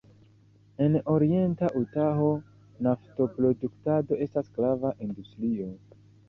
En orienta Utaho-naftoproduktado estas grava industrio.